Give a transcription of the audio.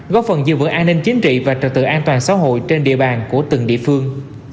góp phần giữ vững an ninh chính trị và trật tự an toàn xã hội trên địa bàn của từng địa phương